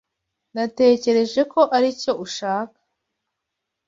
Natekereje ko aricyo ushaka.